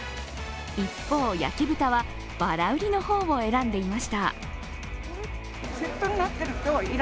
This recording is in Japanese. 一方、焼き豚はばら売りの方を選んでいました。